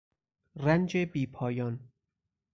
رنج بیپایان